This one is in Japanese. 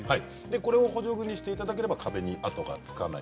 これを補助具にしていただければ壁に跡がつかない。